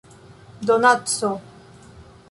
donaco